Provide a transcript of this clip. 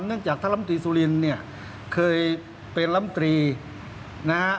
จากท่านลำตรีสุรินเนี่ยเคยเป็นลำตรีนะฮะ